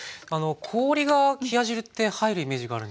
氷が冷や汁って入るイメージがあるんですけど。